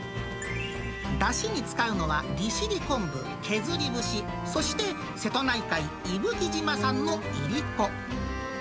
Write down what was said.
だしに使うのは利尻昆布、削り節、そして瀬戸内海・伊吹島さんのいりこ。